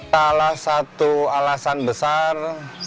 salah satu alasan besar